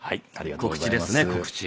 告知ですね告知。